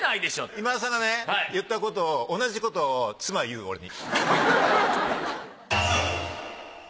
今田さんがね言ったことを同じことを妻言う俺に。